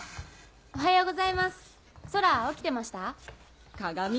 おはようございます。